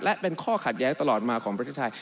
และเป็นข้อขัดแย้งตลอดมาของประเทศไทย